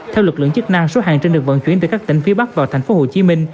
theo lực lượng chức năng số hàng trên được vận chuyển từ các tỉnh phía bắc vào tp hcm